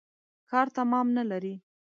کار تمام نلري.